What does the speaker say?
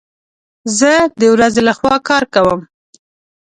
زه د ورځي لخوا کار کوم